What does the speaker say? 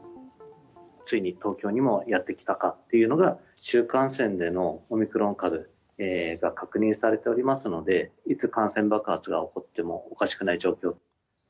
ついに東京にもやってきたかっていうのが、市中感染でのオミクロン株が確認されておりますので、いつ感染爆発が起こってもおかしくない状況。